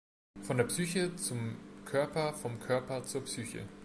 Von der Psyche zum Körper, vom Körper zur Psyche.